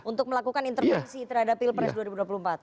untuk melakukan intervensi terhadap pilpres dua ribu dua puluh empat